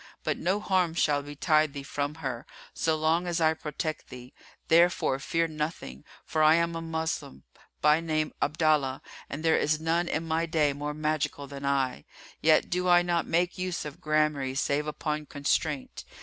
But no harm shall betide thee from her, so long as I protect thee; therefore fear nothing; for I am a Moslem, by name Abdallah, and there is none in my day more magical than I; yet do I not make use of gramarye save upon constraint.